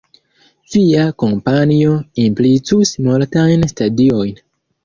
Via kampanjo implicus multajn stadiojn.